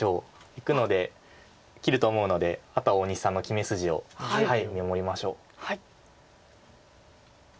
いくので切ると思うのであとは大西さんの決め筋を見守りましょう。